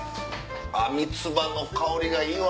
三つ葉の香りがいいわ！